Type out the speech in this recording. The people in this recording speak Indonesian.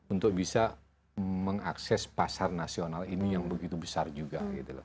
untuk bisa mengakses pasar nasional ini yang begitu besar juga